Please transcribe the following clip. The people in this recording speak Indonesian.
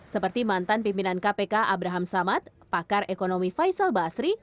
seperti mantan pimpinan kpk abraham samad pakar ekonomi faisal basri